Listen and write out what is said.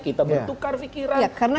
kita bertukar pikiran